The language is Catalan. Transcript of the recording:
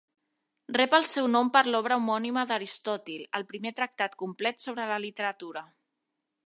Rep el seu nom per l'obra homònima d'Aristòtil, el primer tractat complet sobre la literatura.